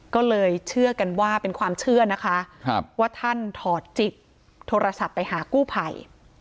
ก็เลยเชื่อกันว่าเป็นความเชื่อนะคะว่าท่านถอดจิตโทรศัพท์ไปหากู้ภัย